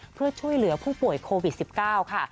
เพื่อช่วยเหลือผู้ป่วยโควิด๑๙ค่ะ